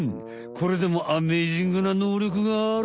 これでもアメージングな能力がある。